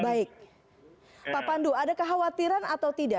baik pak pandu ada kekhawatiran atau tidak